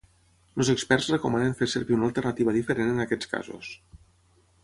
Els experts recomanen fer servir una alternativa diferent en aquests casos.